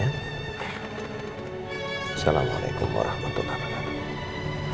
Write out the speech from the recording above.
assalamualaikum warahmatullahi wabarakatuh